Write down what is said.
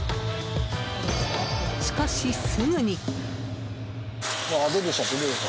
しかし、すぐに。